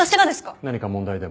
何か問題でも？